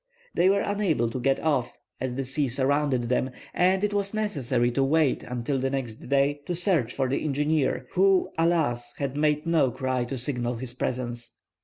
They were unable to get off, as the sea surrounded them, and it was necessary to wait until the next day to search for the engineer; who, alas! had made no cry to signal his presence.